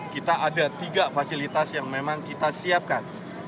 kita ada tiga fasilitas yang memang kita siapkan